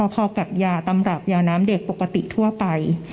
พอกับยาตำรับยาน้ำเด็กปกติทั่วไป